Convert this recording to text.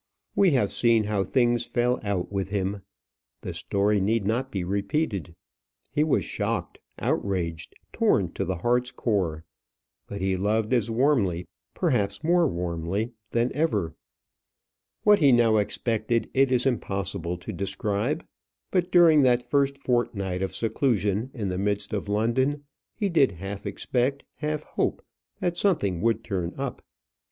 We have seen how things fell out with him. The story need not be repeated. He was shocked, outraged, torn to the heart's core; but he loved as warmly, perhaps more warmly than ever. What he now expected it is impossible to describe; but during that first fortnight of seclusion in the midst of London, he did half expect, half hope that something would turn up.